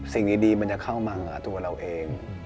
สิ่งดีมันจะเข้ามาเหงาตัวเราเอง